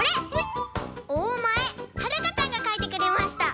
おおまえはるかちゃんがかいてくれました。